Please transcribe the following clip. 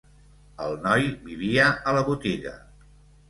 El noi vivia a la botiga